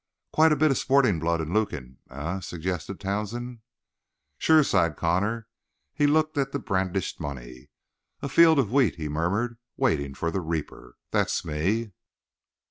"Quite a bit of sporting blood in Lukin, eh?" suggested Townsend. "Sure," sighed Connor. He looked at the brandished money. "A field of wheat," he murmured, "waiting for the reaper. That's me."